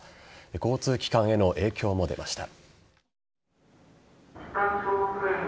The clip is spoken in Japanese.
交通機関への影響も出ました。